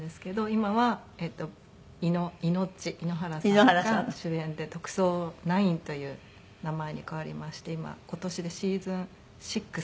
今はイノッチ井ノ原さんが主演で『特捜９』という名前に変わりまして今年で『ｓｅａｓｏｎ６』。